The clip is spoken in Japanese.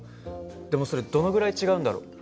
でもそれどのぐらい違うんだろう？